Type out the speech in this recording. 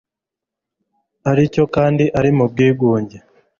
ari cyo kandi ari mu bwigunge